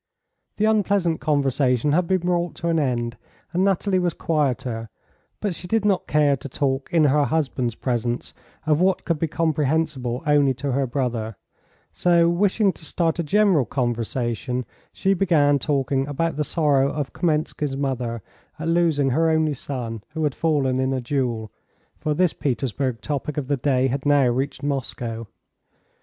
The unpleasant conversation had been brought to an end, and Nathalie was quieter, but she did not care to talk in her husband's presence of what could be comprehensible only to her brother, so, wishing to start a general conversation, she began talking about the sorrow of Kamenski's mother at losing her only son, who had fallen in a duel, for this Petersburg topic of the day had now reached Moscow.